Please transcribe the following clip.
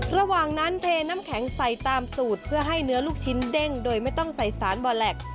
ระหว่างนั้นเทน้ำแข็งใส่ตามสูตรเพื่อให้เนื้อลูกชิ้นเด้งโดยไม่ต้องใส่สารบอแล็ก